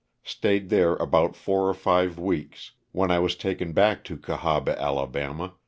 Stayed there about four or five weeks, when I was taken back to Cahaba, Ala.